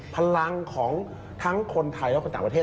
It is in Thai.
พลังของทั้งคนไทยและคนต่างประเทศ